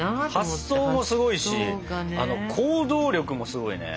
発想もすごいしあの行動力もすごいね。